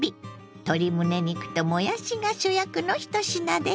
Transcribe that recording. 鶏むね肉ともやしが主役の１品です。